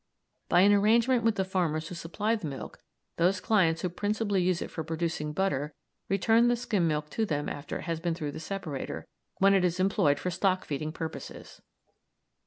By an arrangement with the farmers who supply the milk, those clients who principally use it for producing butter return the skim milk to them after it has been through the separator, when it is employed for stock feeding purposes.